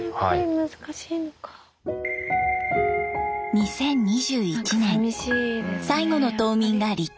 ２０２１年最後の島民が離島。